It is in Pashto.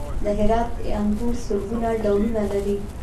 د هرات انګور سلګونه ډولونه لري.